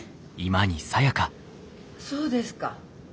そうですか。